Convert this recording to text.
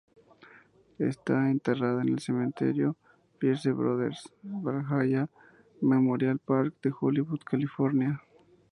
Está enterrada en el Cementerio Pierce Brothers Valhalla Memorial Park de Hollywood, California.